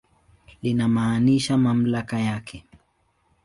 Linamaanisha mamlaka yake.